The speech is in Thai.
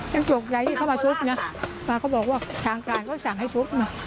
ยังตกใจที่เขามาซุบนะป่าก็บอกว่าทางการเขาสั่งให้ซุบมา